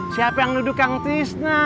siapa yang duduk kang tisna